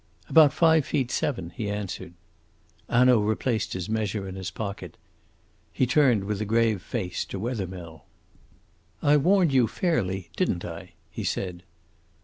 "About five feet seven," he answered. Hanaud replaced his measure in his pocket. He turned with a grave face to Wethermill. "I warned you fairly, didn't I?" he said.